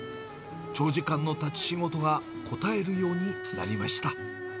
長時間の立ち仕事がこたえるようになりました。